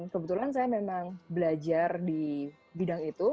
kebetulan saya memang belajar di bidang itu